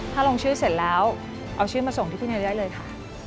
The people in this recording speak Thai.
ถ้าลงชื่อเสร็จแล้วเอาชื่อมาส่งที่พี่เนยได้เลยค่ะ